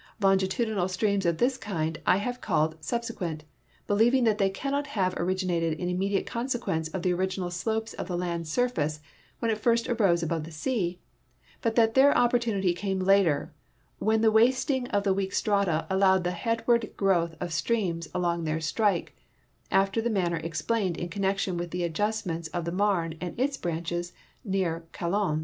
Longitudinal streams of this kind I have called ''subsequent,^' l)elieving that they cannot have originated in immediate conseciuence of the original slopes of the land surface when it first arose above the sea, but that their opportunity came later when the wasting of the weak strata allowed the headward growth of streams along tlieir strike, after the manner ex})lained in connection with the adjustments of the Marne and its branches near Chalons.